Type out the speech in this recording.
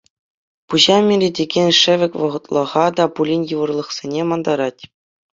Пуҫа минретекен шӗвек вӑхӑтлӑха та пулин йывӑрлӑхсене мантарать.